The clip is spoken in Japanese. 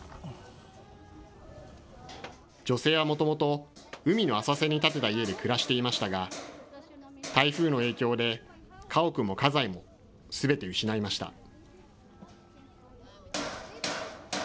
女性はもともと、海の浅瀬に建てた家で暮らしていましたが、台風の影響で、家屋も家財もすべて失いました。